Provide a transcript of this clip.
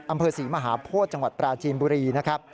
อำเภอศรีมหาโพธิ์จังหวัดปราจีนบุรี